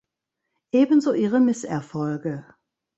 Ebenso ihre Misserfolge.